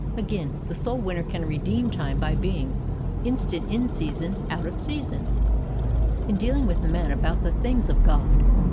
Again, the soul winner can redeem time by being "instant in season, out of season," in dealing with men about the things of God.